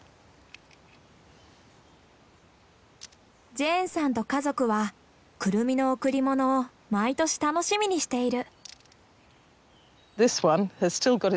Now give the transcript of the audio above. ジェーンさんと家族はクルミの贈り物を毎年楽しみにしている。